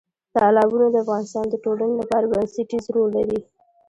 تالابونه د افغانستان د ټولنې لپاره بنسټیز رول لري.